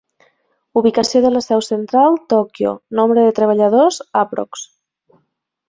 Ubicació de la seu central: Tòquio, nombre de treballadors: aprox.